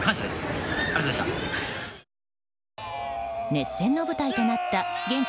熱戦の舞台となった現地